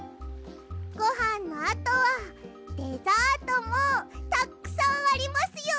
ごはんのあとはデザートもたくさんありますよ。